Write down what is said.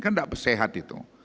kan enggak sehat itu